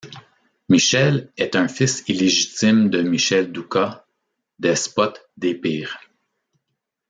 Michel est un fils illégitime de Michel Doukas, despote d'Épire.